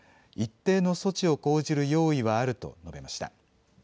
一定の措置を講じる用意はあると述べました。